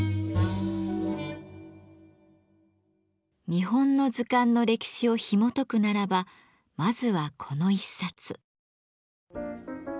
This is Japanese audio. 日本の図鑑の歴史をひもとくならばまずはこの一冊。